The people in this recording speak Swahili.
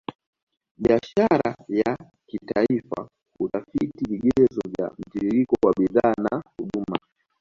Biashara ya kimataifa hutafiti vigezo vya mtiririko wa bidhaa na huduma